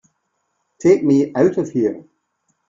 Take me out of here!